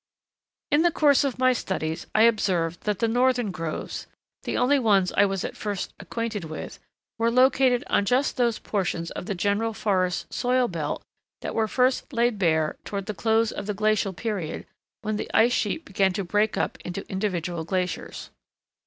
In the course of my studies I observed that the northern groves, the only ones I was at first acquainted with, were located on just those portions of the general forest soil belt that were first laid bare toward the close of the glacial period when the ice sheet began to break up into individual glaciers.